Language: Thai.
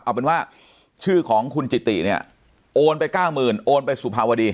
เอาเป็นว่าชื่อของคุณจิติเนี่ยโอนไปเก้าหมื่นโอนไปสุภาวดี